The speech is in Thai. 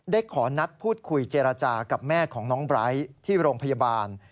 ขอนัดพูดคุยเจรจากับแม่ของน้องไบร์ทที่โรงพยาบาล